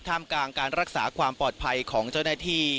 มกลางการรักษาความปลอดภัยของเจ้าหน้าที่